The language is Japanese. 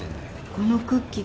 このクッキー